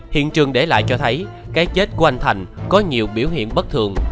hiện trường để lại cho thấy cái chết của anh thành có nhiều biểu hiện bất thường